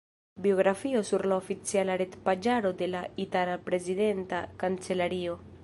Biografio sur la oficiala retpaĝaro de la itala prezidenta kancelario.